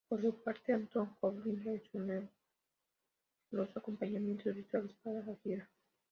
Por su parte, Anton Corbijn realizó de nuevo los acompañamientos visuales para la gira.